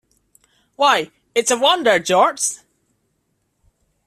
Why, it's a wonder, George!